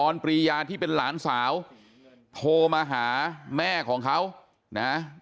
ปรียาที่เป็นหลานสาวโทรมาหาแม่ของเขานะ